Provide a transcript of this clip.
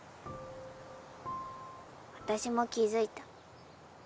私も気付いた。